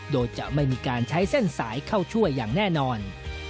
โดยจะไม่มีการใช้เส้นสายเข้าช่วยอย่างแน่นอน